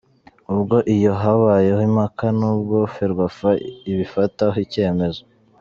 Ubwo iyo habayeho impaka nibwo Ferwafa ibifataho icyemezo.